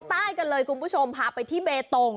ใต้กันเลยคุณผู้ชมพาไปที่เบตง